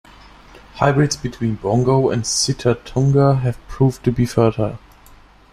Hybrids between bongo and sitatunga have proved to be fertile.